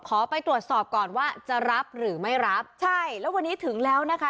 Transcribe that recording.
ไปตรวจสอบก่อนว่าจะรับหรือไม่รับใช่แล้ววันนี้ถึงแล้วนะคะ